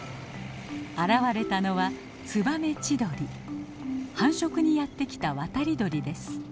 現れたのは繁殖にやってきた渡り鳥です。